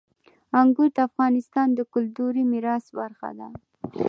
انګور د افغانستان د کلتوري میراث برخه ده.